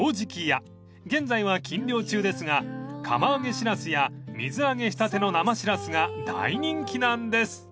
［現在は禁漁中ですが釜揚げしらすや水揚げしたての生しらすが大人気なんです］